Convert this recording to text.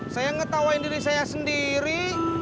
saya ngetawain diri saya sendiri